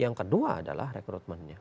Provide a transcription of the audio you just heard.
yang kedua adalah rekrutmennya